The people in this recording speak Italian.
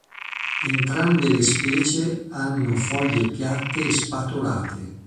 Entrambe le specie hanno foglie piatte e spatolate.